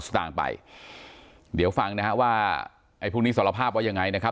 ตางค์ไปเดี๋ยวฟังนะฮะว่าไอ้พวกนี้สารภาพว่ายังไงนะครับ